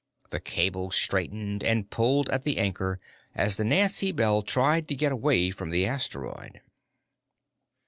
The cable straightened and pulled at the anchor as the Nancy Bell tried to get away from the asteroid.